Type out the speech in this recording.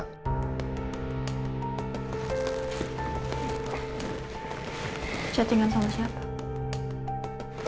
chat dengan sama siapa